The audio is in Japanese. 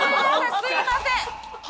すいません。